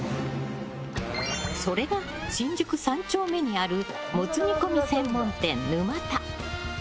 それが、新宿３丁目にあるもつ煮込み専門店沼田。